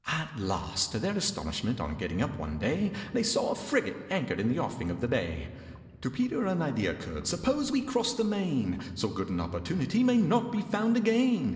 At last, to their astonishment, on getting up one day, They saw a frigate anchored in the offing of the bay. To PETER an idea occurred. "Suppose we cross the main? So good an opportunity may not be found again."